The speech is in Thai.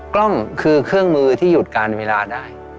กล้องคือเครื่องมือที่หยุดการเวลาได้